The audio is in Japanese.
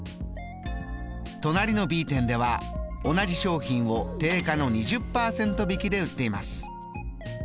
隣のＢ店では同じ商品を定価の２０％引きで売っています。